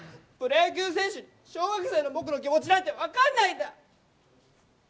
プロ野球選手に小学生の僕の気持ちなんてわかんないんだ！